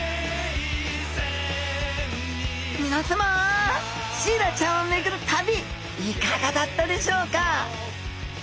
皆さまシイラちゃんを巡る旅いかがだったでしょうか？